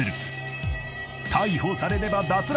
［逮捕されれば脱落。